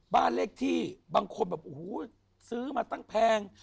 บ้านเลขที่บางคนแบบโอ้โหซื้อมาตั้งแพง